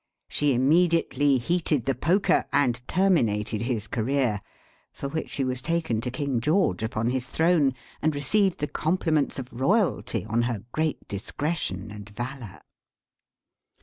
She immediately heated the poker and terminated his career, for which she was taken to King George upon his throne, and received the compliments of royalty on her great discretion and valour.